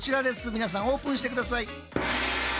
皆さんオープンして下さい。